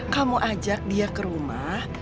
kamu ajak dia ke rumah